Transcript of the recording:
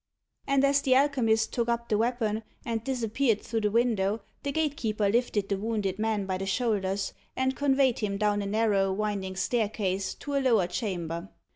And as the alchemist took up the weapon, and disappeared through the window, the gatekeeper lifted the wounded man by the shoulders, and conveyed him down a narrow, winding staircase to a lower chamber.